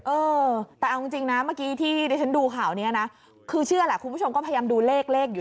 เออแต่เอาจริงนะเมื่อกี้ที่ดิฉันดูข่าวนี้นะคือเชื่อแหละคุณผู้ชมก็พยายามดูเลขเลขอยู่